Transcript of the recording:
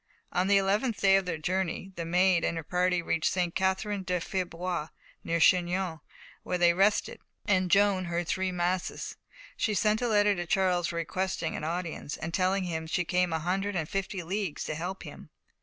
On the eleventh day of their journey the Maid and her party reached St. Catherine de Fierbois, near Chinon, where they rested, and Joan heard three masses. She sent a letter to Charles requesting an audience, and telling him she had come a hundred and fifty leagues to help him.